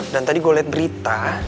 dan tadi gue liat berita